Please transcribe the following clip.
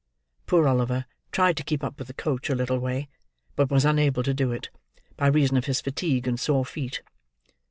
Poor Oliver tried to keep up with the coach a little way, but was unable to do it, by reason of his fatigue and sore feet.